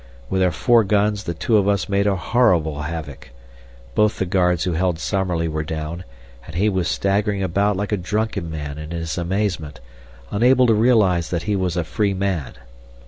With our four guns the two of us made a horrible havoc. Both the guards who held Summerlee were down, and he was staggering about like a drunken man in his amazement, unable to realize that he was a free man.